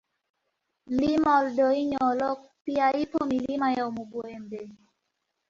Mlima wa Oldoinyo Orok pia ipo Milima ya Omubuhembe